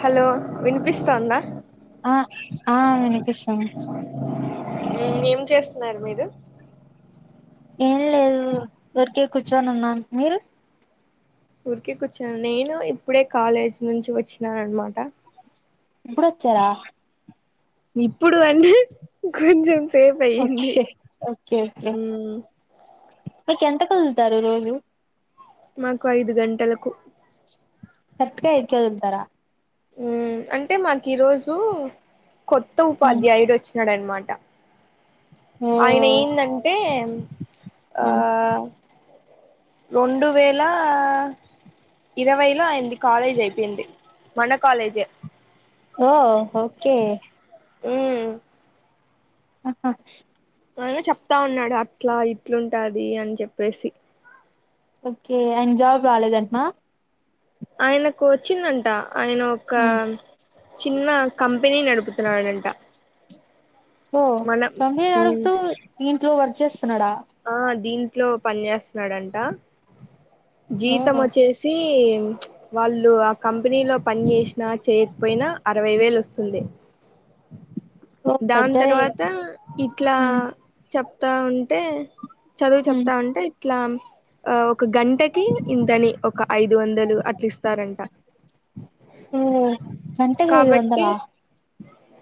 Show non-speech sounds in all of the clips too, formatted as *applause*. Hello వినిపిస్తోందా అ ఆ వినిపిస్తుంది ఏం చేస్తున్నరు మీరు ఏం లేదు వట్టిగ కూర్చొని ఉన్నాను మీరు ఊరికే కూర్చున్న నేను ఇప్పుడే కాలేజీ నుంచి వచ్చినాను అన్నమాట ఇప్పుడొచ్చావ ఇప్పుడు అంటె కొంచెం సేపు అయ్యింది ఓకే ఓకే ఓకే ఊమ్ మీకు ఎంతకు ఒదులుతారు రోజు *unintelligible* మాకు ఐదు గంటలకు కరెక్ట్గ ఐదుకే ఒదులుతార ఉమ్ అంటె మాకు ఈ రోజు కొత్త ఉపాధ్యాయుడు ఒచ్ డన్న మాట ఓ ఆయన ఏందంటే ఆ రెండు వేలా ఇరవైలో ఆయంది కాలేజ్ అయిపోయింది మన కాలేజే ఓ ఓకే ఊమ్ అ హ ఇగ చెప్తా ఉన్నాడు అట్ల ఇట్లుంటాది అని చెప్పేసి ఓకే ఆయనకు జాబ్ రాలేదంటనా ఆయనకు ఒచ్చిందంట ఆయన ఒక చిన్న కంపెనీ నడుపుతున్నాడంట ఓ మనం కంపెనీ నడుపుతూ ఇంట్లో వర్క్ చేస్తున్నడ? ఆ దీంట్లో పని చేేస్తున్నడంట ఓ జీతం ఒచ్చేసి వాళ్ళు ఆ కంపెనీ లో పని చేసినా చేయక్ పోయిన అరవై వేలు అస్తుండే ఓ దాని బెటరే తర్వాత ఇట్ల ఉమ్ చెప్తా ఉంటే చదువు ఉమ్ చెప్తా ఉంటే ఇట్ల ఆ ఒ ఒక గంటకి ఇంతని ఒక ఐదు వందలు అట్ల ఇస్తారంట ఉమ్ గంటకి ఐదు కాబట్టి వందలా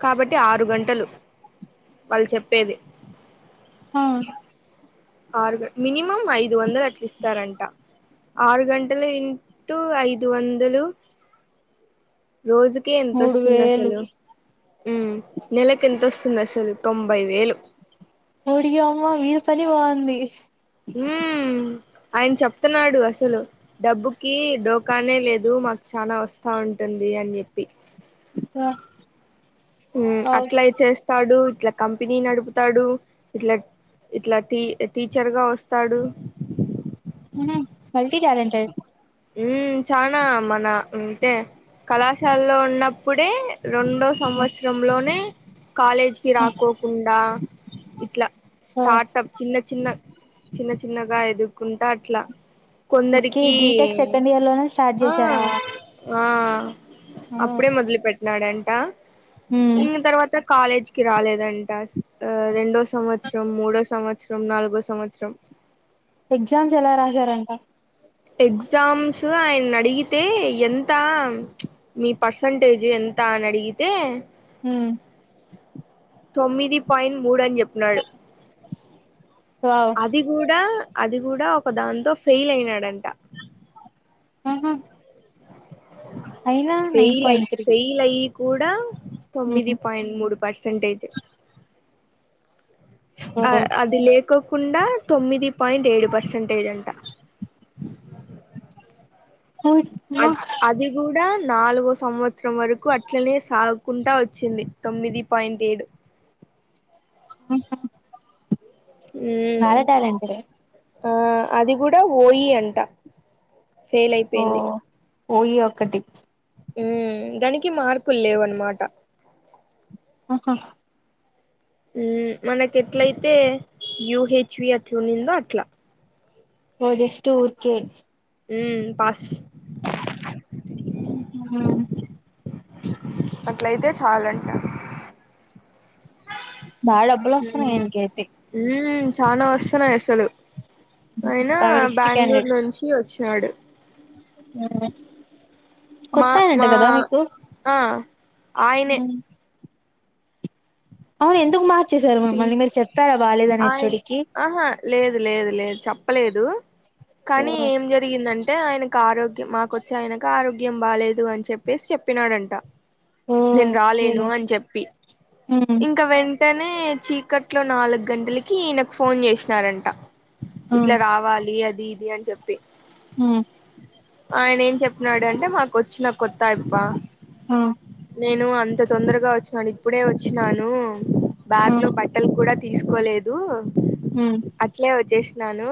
కాబట్టి ఆరు గంటలు వాళ్ళు చెప్పేది ఆ ఆరుగే మినిమం ఐదు వందలు అట్లీస్ స్తరంట ఆరు గంటలు ఇంటు ఐదు వందలు రోజుకే ఎంత మూడు ఒస్తుంది వేలు అసలు ఉమ్ నెలకు ఎంతొస్ అసలు తొంభై వేలు ఓడి యామ్మ ఈల్ల పని బాగుంది ఊమ్ ఆయన చెప్తున్నాడు అసలు డబ్బుకి డోక నే లేదు మాకు చాల ఒస్తా ఉంటుంది అని చెప్పి స అట్ల ఇది చేస్తాడు ఇట్ల కంపెనీ నడుపుతాడు ఇట్ల ఇట్ల టీ టీచర్గ వస్తాడు ఉహ్ మల్టీ టాలెంటెడ్ ఉమ్ చాన మన అంటె కళాశాలలో ఉన్నప్పుడే రెండో సంవత్సరంలోనె కాలేజ్ కి రాకోకుండ ఇట్ల స్టార్టప్ చిన్న చిన్న చిన్న చిన్నగా ఎదుకుంటా అట్లా కొందరికి పండగలోనే స్టార్ట్ ఆ చేశారా? ఆ అప్పుడే మొదలు పెట్టినాడంట ఇంగ తర్వాత కాలేజ్కి రాలేదంట ఆ రెండో సంవత్సరం, మూడో సంవత్సరం, నాలుగో సంవత్సరం ఎగ్జామ్స్ ఎలా రాసారంట? ఎగ్జామ్స్ ఆయన్ని అడిగితే ఎంత, చ్ మీ పర్సంటేజ్ ఎం అంతా అడిగితే మ్ తొమ్మిది పాయింట్ మూడు అని చెప్పినాడు. వావ్ అది గుడా అది గుడా ఒక దాంతో ఫెయిల్ అయినాడంట. ఆహా ఫెయిలై, పాయింట్ త్రీ ఫెయిలైయి కూడా తొమ్మిది పాయింట్ మూడు పర్సంటేజ్ ఆ అది లేకోకుండా తొమ్మిది పాయింట్ ఏడు పర్సెంటేజ్ అంట. అద్ అది కూడా నాలుగో సంవత్సరం వరకు అట్లనే సాగుకుంటా వచ్చింది. తొమ్మిది పాయింట్ ఏడు *inaudible* ఉమ్ చాలా ట్యాలెంట్డే ఆ అది కూడా ఓయి అంట ఫెయిల్ ఓ అయిపోయింది. ఓయి ఒకటి ఉమ్ దానికి మార్కులు లేవు అన్నమాట ఆహా ఉ మనకు ఇట్లయితే యయుహెచ్వి అట్లుందో అట్లా ఓ జస్ట్ ఊర్కే మ్ పాస్ ఉహు గాదు అట్లయితే చాలంట బాగా డబ్బులు ఉ వస్తున్నాయి ఆయనకైతే ఊ చానా వస్తున్నాయి అసలు అయినా బాగా రిచ్ బెంగళూరు నుంచి వచ్చినాడు. *inaudible* మా కొత్తాయినంట మా కదా మీకు? ఆ ఆయనే ఉ అవును ఎందుకు మార్చేశారు సి మమ్మల్ని మీరు చెప్పారా బాలేదని ఆయన హెచ్చోడికి? ఆహా లేదు లేదు లేదు చెప్పలేదు కానీ ఏం జరిగిందంటే ఆయనకు ఆరోగ్యం మాకొచ్చి ఆయనకు ఆరో గ్యం బాలేదు అని చెప్పేసి చెప్పినాడంట నేను ఓకే రాలేను అని చెప్పి ఉమ్ ఇంకా వెంటనే చీకట్లో నాలుగు గంటలకి నాకు ఫోన్ చేసినారంట. ఆ ఇట్లా రావాలి అది ఇది అని చెప్పి అ ఆయన ఏం చెప్పినాడు అంటే మాకు వచ్చిన కొత్త యాఅబ్బ ఆ నేను అంత తొందరగా వచ్చినాను. ఇప్పుడే వచ్చినాను ఆ బ్యాగ్ లో బట్టలు కూడా తీసుకోలేదు ఉమ్ అట్లే వచ్చేసి నాను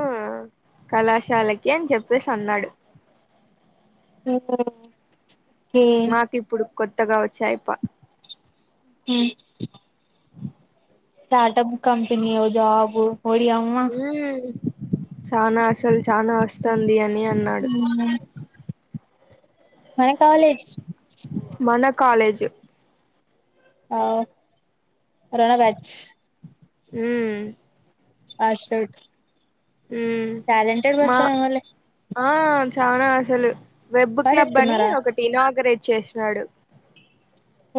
కళాశాలకి అని చెప్పేసి అన్నాడు. ఆ మాకు ఇప్పుడు కొత్తగా వచ్చాయి పా ఉ స్టార్టప్ కంపెనీలో జాబు ఓడి అమ్మ చానా అసలు చానా వస్తుంది అని అన్నాడు ఉమ్ మన కాలేజ్ మన కాలేజ్ ఆ కరోనా బ్యాచ్ ఊ ఆశ్రుట్ ఊ మా ఏమోలే ఆ చనా అసలు వెబ్ బా క్లబ్ అని చెప్తున్నారా ఒకటి ఇనాగరేట్ చేసినాడు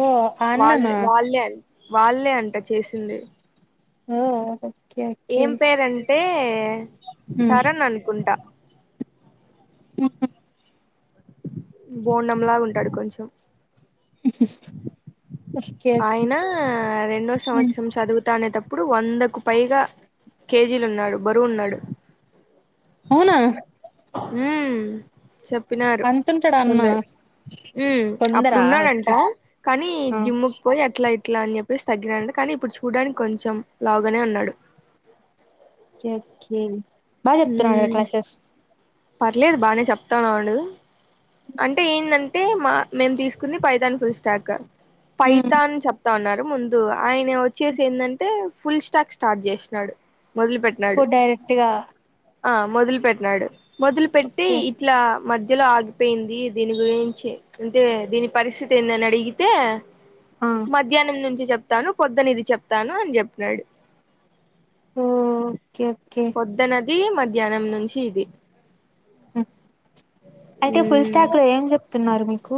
ఓ ఆ వాల్ అన్ననా వాళ్ళే వాళ్ళే అంట చేసింది హ్మ్ హ్మ్ ఏం పేరంటే ఉమ్ సరన్ అనుకుంటా ఉహు బోండంలాగా ఉంటాడు కొంచెం *inaudible* ఓకే ఆయన రెండో ఉమ్ సంవత్సరం చదువ్ తానేటప్పుడు వందకు పైగా కేజీలున్నాడు బరువు ఉన్నాడు అవునా హ్మ్ చెప్పినారు అంతుంటాడా అన్న కొందరు ఉ అప్పుడు కొందరా ఉన్నాడంట ఓకే కానీ ఆ జిమ్కు పోయి అట్లై ఇట్లా అని చెప్పేసి తగ్గినడు కానీ ఇప్పుడు చూడడానికి కొంచం లావుగానే ఉన్నాడు ఓక కే బా చెప్తున్నార ఉమ్ క్లాసేస్ పర్లేదు బానే చెప్తాన్నాడు అంటే ఏంటంటే మా మేము తీసుకుంది పైథాన్ ఫుల్ స్టాక్ పైతాన్ చెప్తా ఉన్నా ముందు ఆయన వచ్చేసి ఎందంటే ఫుల్ స్టాక్ స్టార్ట్ చేసినాడు మొదలు పెట్టినాడు ఇపుడు డైరెక్ట్గా ఆ మొదలు పెట్టినాడు మొదలు పెట్టి ఓకే ఇట్లా మధ్ మద్యలో ఆగిపోయింది దీని గురించి అంటే దీని పరిస్థితి ఏందని అడిగితే ఆ మధ్యాహ్నం నుంచి చెప్తాను పొద్దనిది చెప్తాను అని చెప్పినాడు ఓ పొద్దనది మధ్యాహ్నం నుంచి ఇది అయితే ఫుల్ ఉమ్ స్టాక్ లో ఏం చెప్తున్నారు మీకు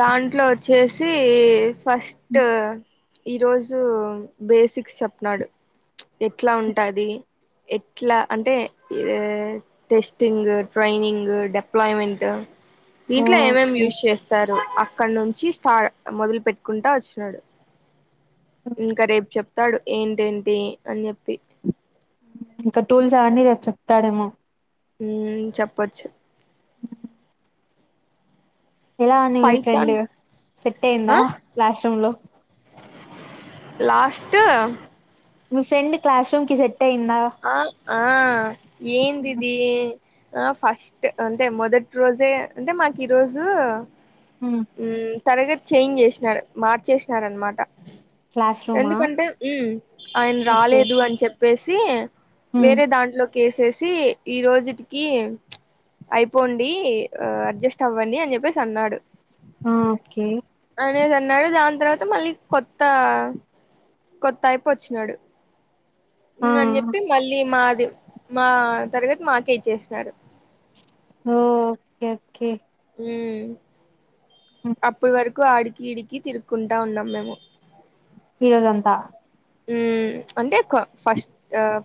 దాంట్లో వచ్చేసి ఫస్ట్ ఈ రోజు బేసిక్స్ చెప్న్నాడు ఎట్లా ఉంటాది ఎట్లా అంటే ఈ టెస్టింగ్ ట్రైనింగ్ డెప్లాయ్మెంట్ దీంట్లో ఏమేం ఓకే యూస్ స్తరు అక్కడ నుంచి స్టార్ మొదలు పెట్టుకుంటా వచ్చినాడు ఇంకా రేపు చెప్తాడు ఏంటేంటి అని చెప్పి ఇంకా టూల్స్ అవన్నీ రేపు చెప్తాడేమో హ్మ్ చెప్పచ్చు ఎలా అని మీ ఫ్రెండ్ పైథాన్ సెట్ అయిందా లాస్ట్ రూమ్ లో లాస్ట్ మీ ఫ్రెండ్ క్లాస్ రూమ్ కి సెట్ అయిందా ఆ ఆ ఉమ్, ఏందిది ఆ ఫస్ట్ అంటే మొదటి రోజే అంటే మాకు ఈ రోజు ఉమ్. తరగతి చేంజ్ చేసినారు మార్చేసినార అనమాట క్లాస్ రూమా ఎందుకంటే ఉ ఆయన ఓకే రాలేదు అని చెప్పేసి ఉమ్, వేరే దాంట్లోకి ఏసేసి ఈ రోజుకి అయిపోండి అడ్జస్ట్ అవ్వండి అని చెప్పేసి అన్నాడు ఆ ఓకే అనేది అన్నాడు దాని తర్వాత మళ్ళీ కొత్త కొత్త ఆయప్ప వచ్చినాడు ఆ అని చెప్పి మళ్ళీ మాది మా తరగతి మాకే ఇచ్చేసినారు ఓ ఓకే ఓకే ఉమ్ ఉమ్. అప్పు వరకు ఆడికి ఇడికి తిరుక్కుంటా ఉన్నాం మేము ఈరోజంత ఉమ్ క అంటే ఫస్ట్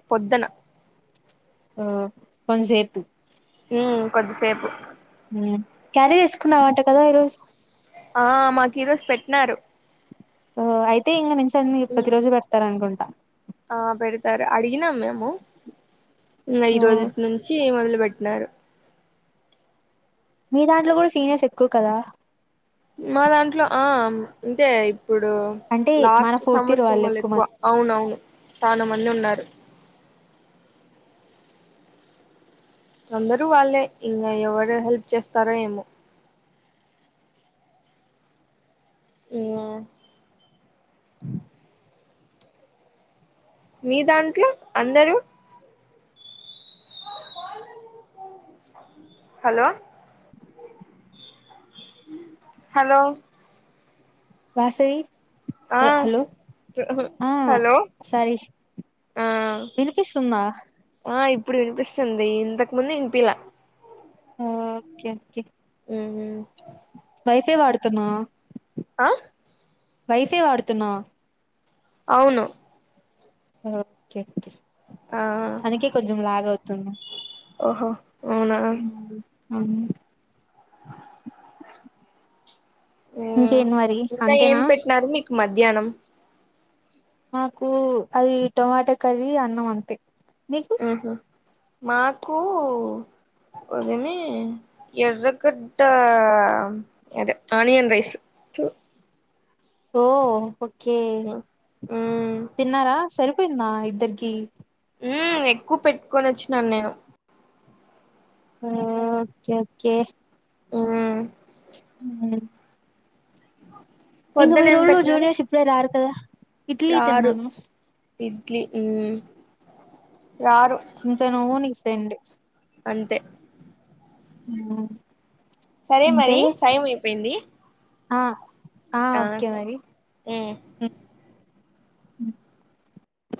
పొద్దున ఆ కొంసెపు హు కొద్దిసేపు క్యారీ తెచ్చుకున్నావట కదా ఈరోజు ఆ మాకు ఈరోజు పెట్నారు అయితే ఇంక నుంచి అన్ని పతిరోజు పెడతార అనుకుంటా ఆ పెడతారు అడిగినాం మేము ఈ ఓ రోజు నుంచి మొదలు పెట్నారు మీ దాంట్లో కూడా సీనియర్స్ ఎక్కువ కదా మా దాంట్లో ఆ అంటే ఇప్పుడు అంటే మన లాస్ట్ ఫోర్త్ ఇయర్ సంవత్సరం వాళ్ళు వాల్లు ఎక్కువ మంది అవునవును చానమంది ఉన్నారు అందరు వాళ్ళే ఇంగ ఎవరు హెల్ప్ చేస్తారో ఏమో ఉ మీ దాంట్లో అందరూ హలో హలో వాసవి ఆ హలో ఆ హలో సారీ ఆ వినిపిస్తున్నా ఆ ఇప్పుడు వినిపిస్తుంది ఇంతకు ముందు వినిపిలా ఓకే ఓకే ఉ వైఫై వాడుతున్నావా ఆ వైఫే వాడుతున్నావ అవును ఓకే ఆ అందుకే కొంచెం లాగ అవుతుంది ఓహో ఉనా ఉమ్, అవును ఆ ఇంకేంటి మరి ఇంకా అంతేనా? ఏం పెట్టినారు మీకు మధ్యాహ్నం మాకు అది టొమాటా కర్రీ అన్నం అంతే మీకు ఆహ మాకు ఉదుమి ఎర్రకట్ట అదే ఆనియన్ రైస్ చూ ఓ ఓకే ఉమ్ తిన్నారా సరిపోయిందా ఇద్దరికి? మ్ ఎక్కువ పెట్టుకొని వచ్చినాను నేను ఆ ఓకే ఓకే ఉ ఆ హ ఇంగ పొద్దున మీ ఏం రూళ్ళు పెట్టినారు జూనియర్స్ ఇప్పుడే రారు కదా ఇడ్లీ రారు తిన్నాను. ఇడ్లీ ఉమ్ రారు ఇంకా నవ్వు నీ ఫ్రెండ్ అంతే ఆ సరే మరి టైం అయిపోయింది. ఆ ఆ ఓకే మరి సరే ఉ